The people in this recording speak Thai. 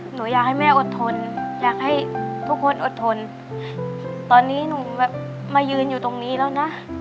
หนูอยากให้แม่อดทนอยากให้ทุกคนอดทนตอนนี้หนูแบบมายืนอยู่ตรงนี้แล้วนะ